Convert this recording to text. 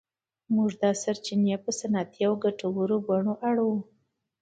موږ دا سرچینې په صنعتي او ګټورو بڼو اړوو.